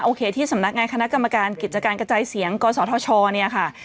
ที่สำนักงานคณะกรรมการกิจการกระจายเสียงกศธชเนี่ยค่ะ